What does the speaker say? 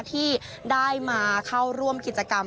ที่ได้มาเข้าร่วมกิจกรรม